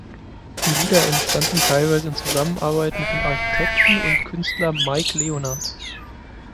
Die Lieder entstanden teilweise in Zusammenarbeit mit dem Architekten und Künstler Mike Leonard.